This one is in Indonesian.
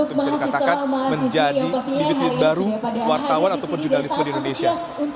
untuk bisa dikatakan menjadi militer baru wartawan ataupun jurnalisme di indonesia